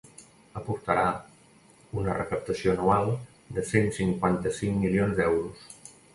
Aportarà una recaptació anual de cent cinquanta-cinc milions d’euros.